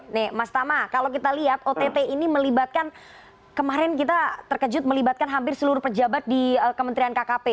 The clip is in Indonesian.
nih mas tama kalau kita lihat ott ini melibatkan kemarin kita terkejut melibatkan hampir seluruh pejabat di kementerian kkp